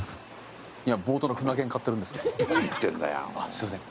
すいません。